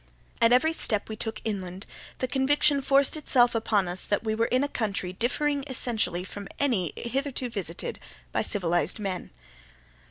At every step we took inland the conviction forced itself upon us that we were in a country differing essentially from any hitherto visited by civilized men.